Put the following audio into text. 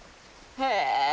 へえ。